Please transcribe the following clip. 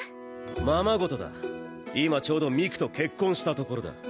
ままごとだ今ちょうど三玖と結婚したところだ